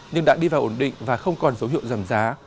nhưng đã đi vào ổn định và không còn dấu hiệu giảm giá